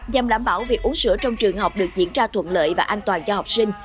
nhằm đảm bảo việc uống sữa trong trường học được diễn ra thuận lợi và an toàn cho học sinh